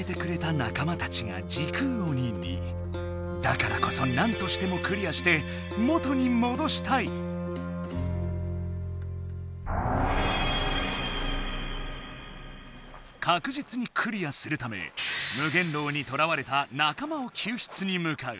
だからこそなんとしてもかくじつにクリアするため無限牢にとらわれた仲間を救出にむかう。